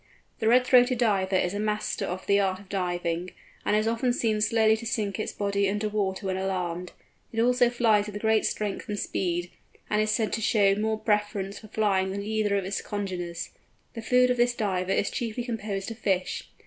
The Red throated Diver is a master at the art of diving, and is often seen slowly to sink its body under water when alarmed. It also flies with great strength and speed, and is said to show more preference for flying than either of its congeners. The food of this Diver is chiefly composed of fish.